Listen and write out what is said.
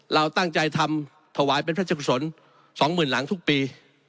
เราตั้งใจทำถวายเป็นพระเจ้าคุณศร๒หมื่นหลังทุกปี